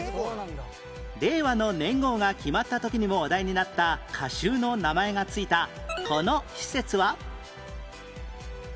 令和の年号が決まった時にも話題になった歌集の名前が付いたこの施設は？